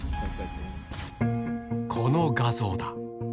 この画像だ。